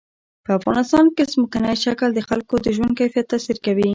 په افغانستان کې ځمکنی شکل د خلکو د ژوند کیفیت تاثیر کوي.